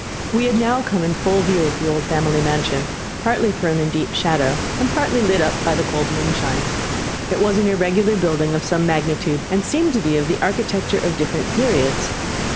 We had now come in full view of the old family mansion, partly thrown in deep shadow, and partly lit up by the cold moonshine. It was an irregular building of some magnitude, and seemed to be of the architecture of different periods.